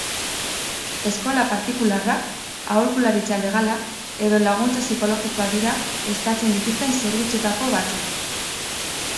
Eskola partikularrak, aholkularitza legala edo laguntza psikologikoa dira eskatzen dituzten zerbitzuetako batzuk.